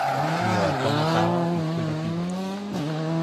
mi jo e tomo tawa pi kule pimeja.